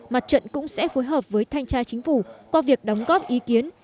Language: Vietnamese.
mặt trận cũng sẽ phối hợp với thanh tra chính phủ qua việc đóng góp ý kiến